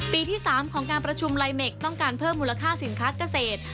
ที่๓ของการประชุมไลเมคต้องการเพิ่มมูลค่าสินค้าเกษตร